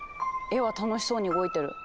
絵は楽しそうに動いてる。